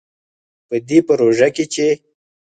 په دې پروژه کې چې